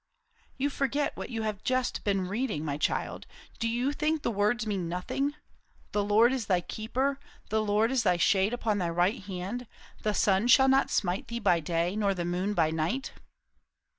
"You forget what you have just been reading, my child. Do you think the words mean nothing? 'The Lord is thy keeper; the Lord is thy shade upon thy right hand. The sun shall not smite thee by day, nor the moon by night.'"